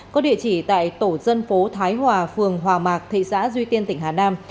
có địa chỉ tại tổ dân phố thái hòa phường hòa mạc thị xã duy tiên tỉnh hà nam